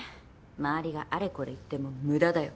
周りがあれこれ言っても無駄だよ。